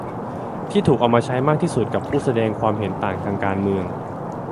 ที่ถูกเอามาใช้มากที่สุดกับผู้แสดงความเห็นต่างทางการเมือง